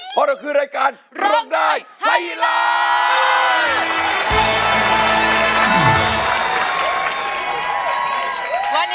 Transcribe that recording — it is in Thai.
เพราะเราคือรายการร้องได้ให้ล้าน